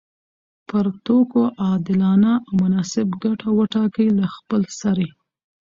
پر توکو عادلانه او مناسب ګټه وټاکي له خپلسري